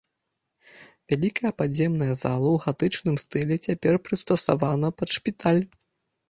Вялікая падземная зала ў гатычным стылі цяпер прыстасавана пад шпіталь.